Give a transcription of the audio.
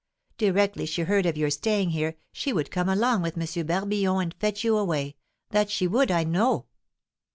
Directly she heard of your staying here, she would come along with M. Barbillon and fetch you away that she would, I know."